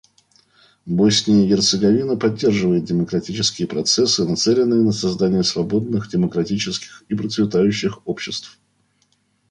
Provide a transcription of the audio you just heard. Босния и Герцеговина поддерживает демократические процессы, нацеленные на создание свободных, демократических и процветающих обществ.